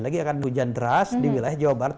lagi akan hujan deras di wilayah jawa barat